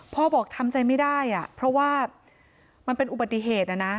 พ่อบอกทำใจไม่ได้เพราะว่ามันเป็นอุบัติเหตุนะนะ